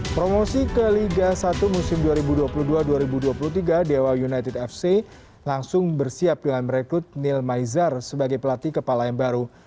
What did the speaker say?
promosi ke liga satu musim dua ribu dua puluh dua dua ribu dua puluh tiga dewa united fc langsung bersiap dengan merekrut neil maizar sebagai pelatih kepala yang baru